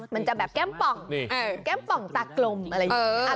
มันจะแบบแก้มป่องแก้มป่องตากลมอะไรอย่างนี้